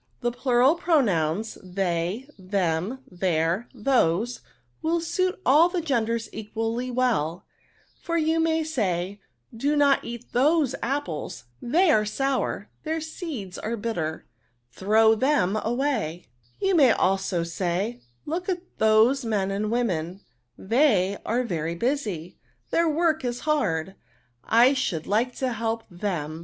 ^' The plural pronouns, they, them, their, those, will suit all the genders equally well ; Jfor you may say, * do not eat those apples, they are sour ; their seeds are bitter ; throw them away ;' and you may also say, * look at those men and women, they are very busy ; their work is hard, I should like to help them.